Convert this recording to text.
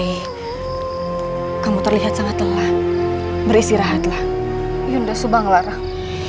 hai kamu terlihat sangat telah berisi rahatlah yunda subang larang